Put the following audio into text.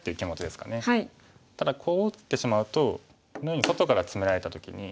ただこう打ってしまうとこのように外からツメられた時に。